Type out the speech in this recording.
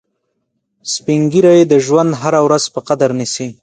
سپین ږیری د ژوند هره ورځ په قدر نیسي